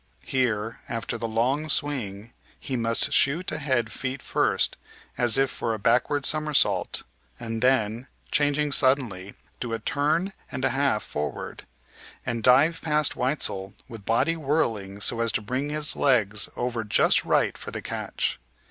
Here, after the long swing, he must shoot ahead feet first as if for a backward somersault, and then, changing suddenly, do a turn and a half forward, and dive past Weitzel with body whirling so as to bring his legs over just right for the catch.